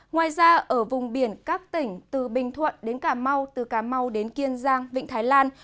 ngoài ra ở vùng biển các tỉnh từ bình thuận đến cà mau từ cà mau đến kiên giang vịnh thái lan